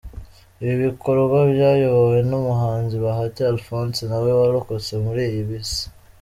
Ibi bikorwa byayobowe n’umuhanzi Bahati Alphonse nawe warokotse muri iyo bisi.